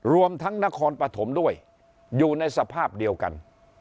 รวมทั้งนครปฐมด้วยอยู่ในสภาพเดียวกัน